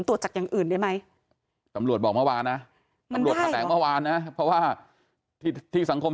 ตรวจจากอย่างอื่นได้ไหม